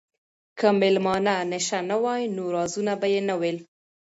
که مېلمانه نشه نه وای نو رازونه به یې نه ویل.